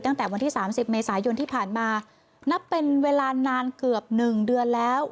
ตั้งแต่วันที่สามสิบเมษายนที่ผ่านมานับเป็นเวลานานเกือบหนึ่งเดือนแล้ว